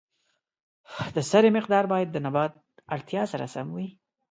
د سرې مقدار باید د نبات اړتیا سره سم وي.